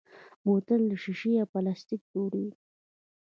بوتل له شیشې یا پلاستیک جوړېږي.